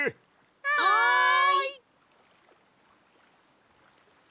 はい！